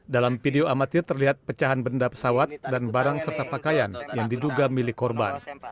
dalam video amatir terlihat pecahan benda pesawat dan barang serta pakaian yang diduga milik korban